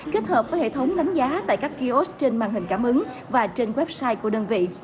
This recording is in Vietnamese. kết hợp với hệ thống đánh giá tại các kiosk trên màn hình cảm ứng và trên website của đơn vị